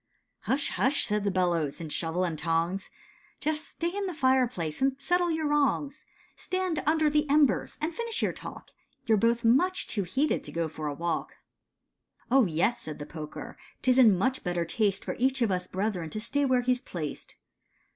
" Hush, hush," said the Bellows and Shovel and Tongs, "Just stay in the fireplace, and settle your wrongs, How the Andirons Took a Walk. 241 Stand under the embers, and finish your talk, You "re both much too heated to go for a walk. " "Oh, yes," said the Poker, "'tis much better taste For each of us brethren to stay where he 's placed."